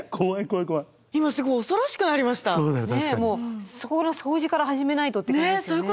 ねえもうそこの掃除から始めないとって感じですよね。